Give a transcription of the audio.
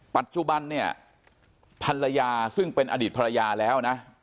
ปัจจุบันเนี่ยภรรยาซึ่งเป็นอดีตภรรยาแล้วนะ